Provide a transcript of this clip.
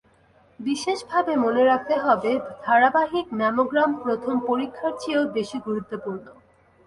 বিশেষভাবে মনে রাখতে হবে, ধারাবাহিক ম্যামোগ্রাম প্রথম পরীক্ষার চেয়েও বেশি গুরুত্বপূর্ণ।